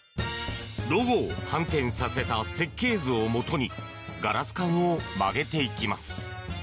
ロゴを反転させた設計図を元にガラス管を曲げていきます。